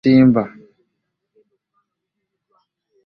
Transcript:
Emmotoka tezirina we zisimba.